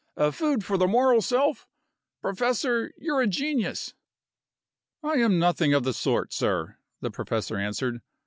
A food for the moral self! Professor, you're a genius." "I am nothing of the sort, sir," the professor answered.